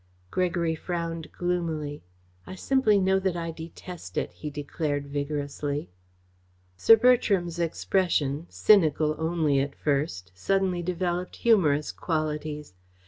Gregory frowned gloomily. "I simply know that I detest it," he declared vigorously. Sir Bertram's expression, cynical only at first, suddenly developed humorous qualities.